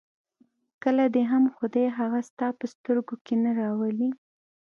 کله دې هم خدای هغه ستا په سترګو کې نه راولي.